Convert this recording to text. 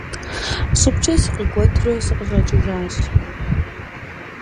ЩӀыбкӀэ сыкъикӀуэтурэ сыкъыщӀэкӀыжащ.